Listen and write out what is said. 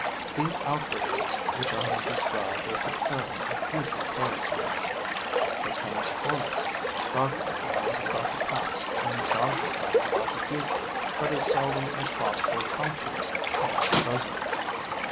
The outrages which I have described are preparing a future parasite. The transformists dogmatize about the past and dogmatize about the future, but as seldom as possible talk to us about the present.